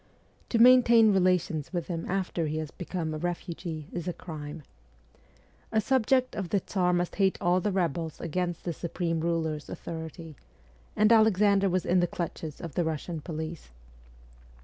To maintain relations with him after he has become a refugee is a crime. A subject of the Tsar must hate all the rebels against the supreme ruler's authority and Alexander was in the clutches of the Russian police.